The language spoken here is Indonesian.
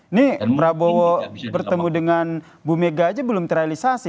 ini prabowo bertemu dengan bu mega aja belum terrealisasi